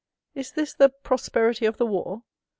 Is this the "prosperity of the war?"